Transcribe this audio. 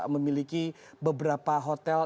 memiliki beberapa hotel